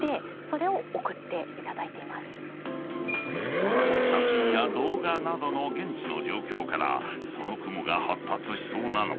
［空の写真や動画などの現地の状況からその雲が発達しそうなのか